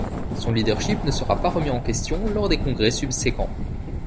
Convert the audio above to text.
Son leadership ne sera pas remis en question lors des congrès subséquents.